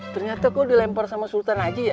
ternyata kok dilempar sama sultan haji ya